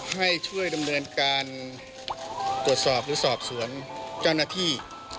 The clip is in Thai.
ให้ช่วยดำเนินการตรวจสอบหรือสอบสวนเจ้าหน้าที่